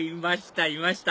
いました